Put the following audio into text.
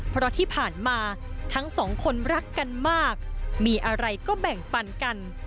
เพราะที่ผ่านมาทั้งสองคนรักกันมากมีอะไรก็แบ่งปันกัน